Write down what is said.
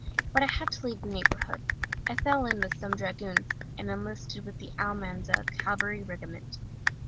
But I had to leave the neighbourhood. I fell in with some dragoons, and enlisted in the Almanza Cavalry Regiment.